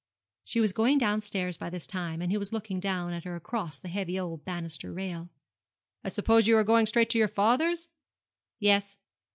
She was going downstairs by this time, and he was looking down at her across the heavy old banister rail. 'I suppose you are going straight to your father's?' 'Yes.'